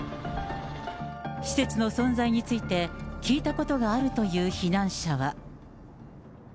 施設の存在について、聞いたことがあるという避難者は。